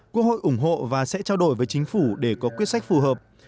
quốc hội ủng hộ và sẽ trao đổi với chính phủ để có quyết sách phù hợp